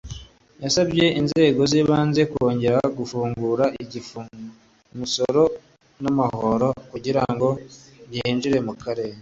yasabye inzego z’ibanze kongera ingufu mu kwishyuza umusoro n’amahoro kugira ngo byinjire mu karere